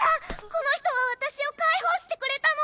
この人は私を介抱してくれたの！